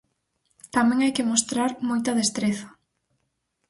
Tamén hai que mostrar moita destreza.